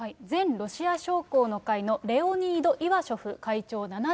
前ロシア将校の会のレオニード・イワショフ会長